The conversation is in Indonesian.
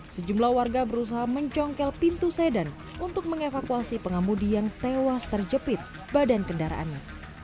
sejumlah warga berusaha mencongkel pintu sedan untuk mengevakuasi pengemudi yang tewas terjepit badan kendaraannya